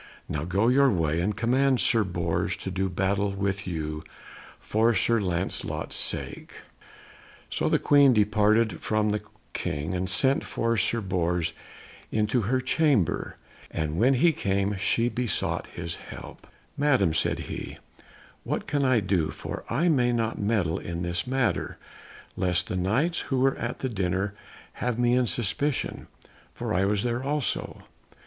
Now go your way, and command Sir Bors to do battle with you for Sir Lancelot's sake." So the Queen departed from the King, and sent for Sir Bors into her chamber, and when he came she besought his help. [Illustration: SIR MADOR ACCUSES GUENEVERE] "Madam," said he, "what can I do? for I may not meddle in this matter lest the Knights who were at the dinner have me in suspicion, for I was there also.